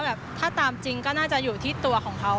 แบบถ้าตามจริงก็น่าจะอยู่ที่ตัวของเขา